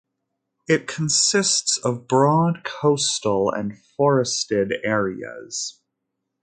It consists of broad coastal and forested areas.